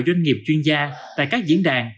doanh nghiệp chuyên gia tại các diễn đàn